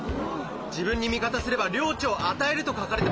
「自分に味方すれば領地をあたえる」と書かれてます。